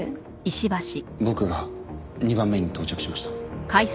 僕が２番目に到着しました。